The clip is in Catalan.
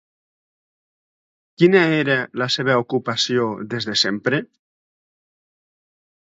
Quina era la seva ocupació des de sempre?